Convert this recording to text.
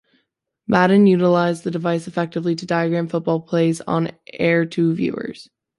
Madden utilized the device effectively to diagram football plays on-air to viewers.